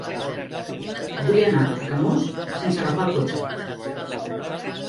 Vull anar a Camós sense agafar el cotxe.